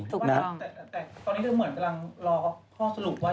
คือให้กับทางที่ประชาชนต่างจังหวัด